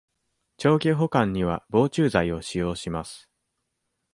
長期保管には、防虫剤を使用します。